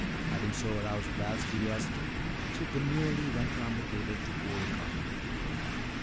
Having so aroused Val's curiosity, she demurely went around the table to pour the coffee.